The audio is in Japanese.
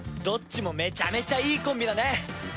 どっちもめちゃめちゃいいコンビだね